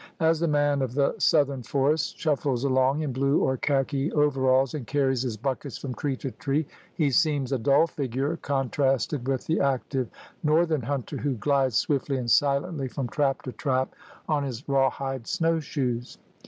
As the man of the southern forests shuflfles along in blue or khaki overalls and carries his buckets from tree to tree, he seems a dull figure contrasted with the active northern hunter who glides swiftly and silently from trap to trap on his rawhide snowshoes.